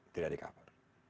tidak di cover